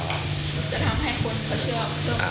จะทำให้คนเขาเชื่อเริ่มขึ้น